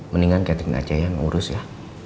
mendingan catering aja yang urus ya